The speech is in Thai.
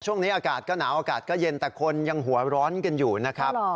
ช่วงนี้อากาศก็หนาวอากาศก็เย็นแต่คนยังหัวร้อนกันอยู่นะครับ